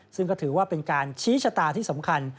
ซึ่งก็ถือว่าเป็นการชี้ชะตาที่สำคัญ